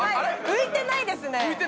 浮いてないよね。